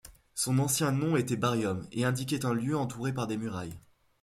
Son ancien nom était Barrium, et indiquait un lieu entouré par des murailles.